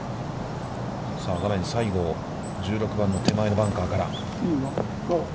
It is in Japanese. さあ画面、西郷１６番の手前のバンカーから。